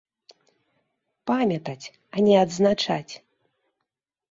Памятаць, а не адзначаць.